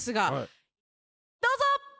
どうぞ！